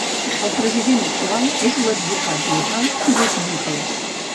El president actual és l'advocat local Philip Nicholas.